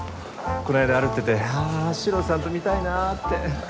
この間歩いててあシロさんと見たいなって。